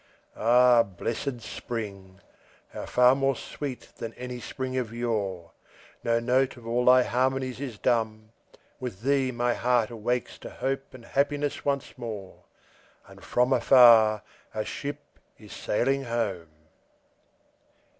Ah, blessed spring!—how far more sweet than any spring of yore! No note of all thy harmonies is dumb; With thee my heart awakes to hope and happiness once more, And from afar a ship is sailing home!